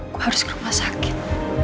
kok harus ke rumah sakit